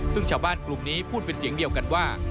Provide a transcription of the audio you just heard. ซึ่งชาวบ้านกลุ่มนี้พูดเป็นเสียงเดียวกันว่า